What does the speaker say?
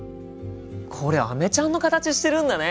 これアメちゃんの形してるんだね。